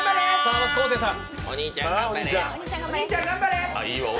まずは昴生さん。